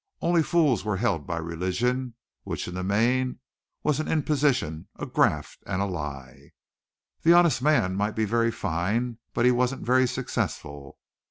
Only fools were held by religion, which in the main was an imposition, a graft and a lie. The honest man might be very fine but he wasn't very successful.